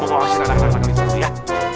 mau ngawasin anak anak gitu ya